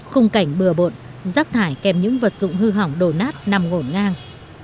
khung cảnh bừa bộn rác thải kèm những vật dụng hư hỏng đổ nát nằm ngổn ngang